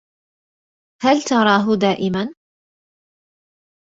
هل تراه دائمًا؟